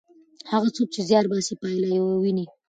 هغه څوک چې زیار باسي پایله یې ویني.